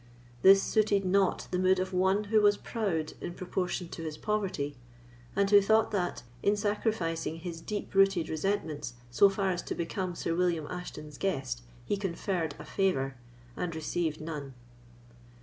This suited not the mood of one who was proud in proportion to his poverty, and who thought that, in sacrificing his deep rooted resentments so far as to become Sir William Ashton's guest, he conferred a favour, and received none.